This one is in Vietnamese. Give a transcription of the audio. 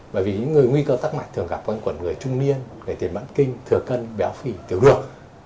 bởi vì những người nguy cơ tắc mạch thường gặp quanh quần người trung niên người tiền mãn kinh thừa cân béo phì tiểu đường